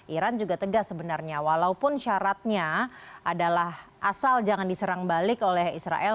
iran juga tegas sebenarnya walaupun syaratnya adalah asal jangan diserang balik oleh israel